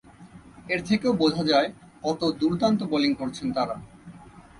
এর থেকেও বোঝা যায়, কত দুর্দান্ত বোলিং করছেন তাঁরা।